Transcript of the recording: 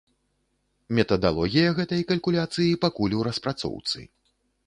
Метадалогія гэтай калькуляцыі пакуль у распрацоўцы.